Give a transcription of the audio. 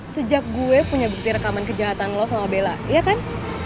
sejak gue punya bukti rekaman kejahatan lo sama bella iya kan